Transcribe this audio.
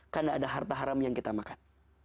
karena ada harta haram yang kita makan